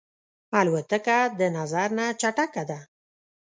الوتکه د نظر نه چټکه ده.